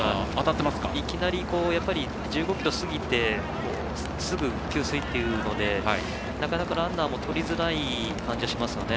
いきなり１５ｋｍ過ぎてすぐ給水っていうのでなかなか、ランナーもとりづらい感じはしますよね